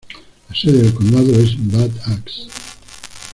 La sede del condado es Bad Axe.